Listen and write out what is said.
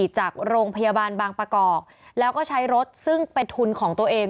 จากโรงพยาบาลบางประกอบแล้วก็ใช้รถซึ่งเป็นทุนของตัวเอง